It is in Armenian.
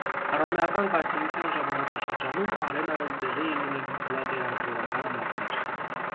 Հռոմեական կայսրության ժամանակաշրջանում արենայում տեղի էին ունենում գլադիատորական մարտեր։